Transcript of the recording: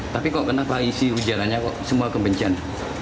tapi kok kenapa isi ujarannya kok semua kebencian